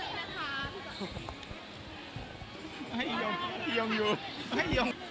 ค่ะย่องย่องย่อง